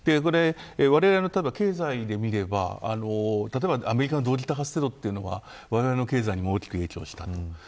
われわれは経済で見れば例えばアメリカの同時多発テロというのは、われわれの経済にも大きく影響した。